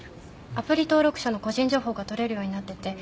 アプリ登録者の個人情報が取れるようになっててそれを。